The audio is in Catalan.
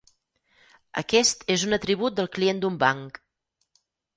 Aquest és un atribut del client d'un banc.